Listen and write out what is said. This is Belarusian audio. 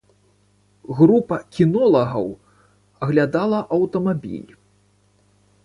Група кінолагаў аглядала аўтамабіль.